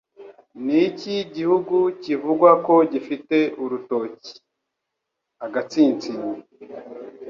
Niki gihugu kivugwa ko gifite urutoki & agatsinsino?